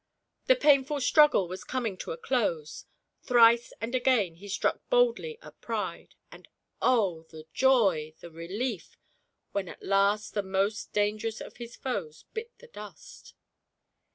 The painful struggle was coming to a close; thrice and again he struck boldly at Pride, and oh, the joy, the relief when at last the most dangerous of his foes bit the dust